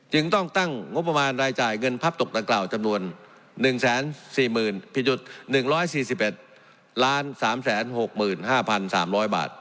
จึงต้องตั้งงบประมาณรายจ่ายเงินพับตกดังกล่าวจำนวน๑๔๐๐๐ผิดจุด๑๔๑๓๖๕๓๐๐บาท